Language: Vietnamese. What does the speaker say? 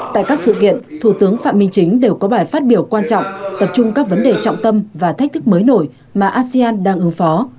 tại các sự kiện thủ tướng phạm minh chính đều có bài phát biểu quan trọng tập trung các vấn đề trọng tâm và thách thức mới nổi mà asean đang ứng phó